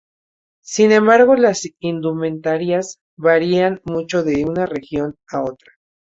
Sin embargo, las indumentarias varían mucho de una región a otra.